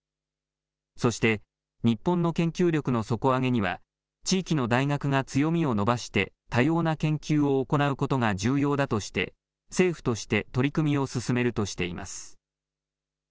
そして日本の研究力の底上げには地域の大学が強みを伸ばして多様な研究を行うことが重要だとして政府として取り組みを進めるとしています。